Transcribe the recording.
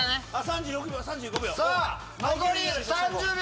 さぁ残り３０秒！